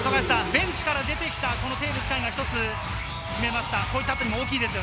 ベンチから出てきたテーブス海が１つ決めました。